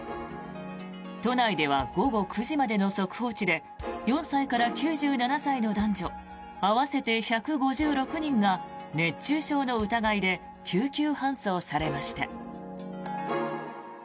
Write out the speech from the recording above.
都内では午後９時までの速報値で４歳から９７歳の男女合わせて１５６人が熱中症の疑いで救急搬送されました。